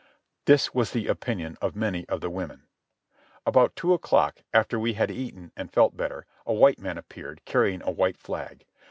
This was the opinion of many of the women. About two o'clock, after we had eaten and felt better, a white man appeared, carrying a white flag.